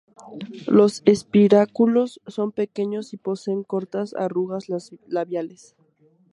Los espiráculos son pequeños y poseen cortas arrugas labiales.